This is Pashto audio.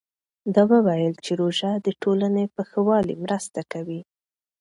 ده وویل چې روژه د ټولنې په ښه والي مرسته کوي.